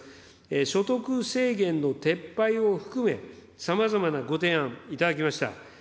所得制限の撤廃を含め、さまざまなご提案、頂きました。